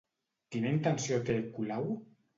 Quina intenció té, Colau?